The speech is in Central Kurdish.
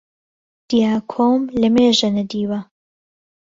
دیاکۆم لەمێژە نەدیوە